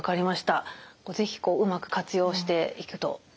是非うまく活用していくといいなあと思いました。